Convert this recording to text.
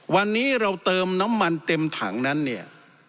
วันนี้เราเติมน้ำมันเต็มถังนั้นเนี่ย